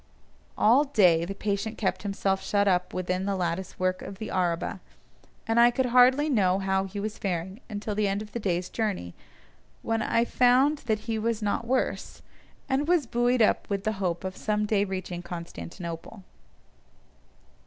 All day the patient kept himself shut up within the lattice work of the araba, and I could hardly know how he was faring until the end of the day's journey, when I found that he was not worse, and was buoyed up with the hope of some day reaching Constantinople.